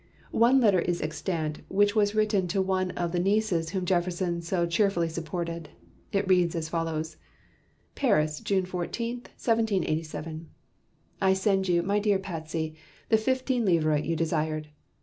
One letter is extant which was written to one of the nieces whom Jefferson so cheerfully supported. It reads as follows: "PARIS, June 14, 1787. "I send you, my dear Patsey, the fifteen livres you desired.